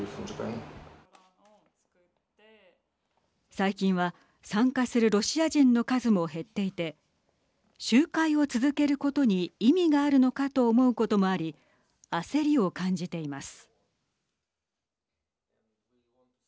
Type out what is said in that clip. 最近は参加するロシア人の数も減っていて集会を続けることに意味があるのかと思うこともあり焦りを感じています。